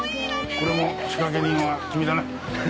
これも仕掛け人は君だな？